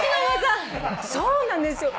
そうなんですよ。